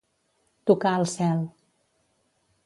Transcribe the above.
Tocar el cel.